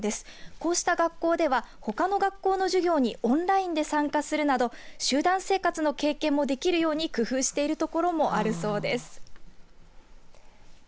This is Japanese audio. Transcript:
こうした学校では、ほかの学校にオンラインで参加するなど集団生活の経験もできるように工夫している所もあるそうです。